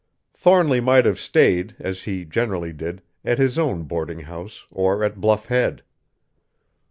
Thornly might have stayed, as he generally did, at his own boarding house or at Bluff Head.